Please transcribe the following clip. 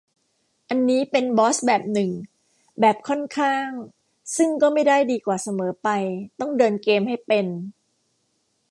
อันนี้เป็นบอสแบบหนึ่ง แบบค่อนข้าง ซึ่งก็ไม่ได้ดีกว่าเสมอไป ต้องเดินเกมให้เป็น